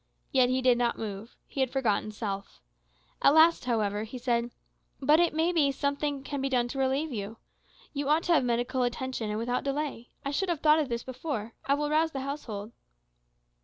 Yet he did not move he had forgotten self. At last, however, he said, "But it may be something can be done to relieve you. You ought to have medical aid without delay. I should have thought of this before. I will rouse the household."